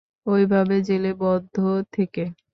ঐভাবে জেলে বদ্ধ থেকে।